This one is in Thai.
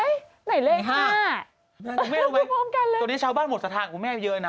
โอ๊ยไหนเลข๕แล้วคุณพร้อมกันเลยค่ะตัวนี้ชาวบ้านหมดสถานกับคุณแม่เยอะนะ